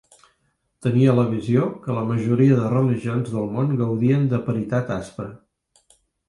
Tenia la visió que la majoria de religions del món gaudien de "paritat aspra".